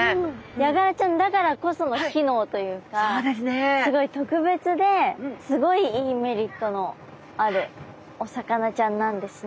ヤガラちゃんだからこその機能というかすごい特別ですごいいいメリットのあるお魚ちゃんなんですね。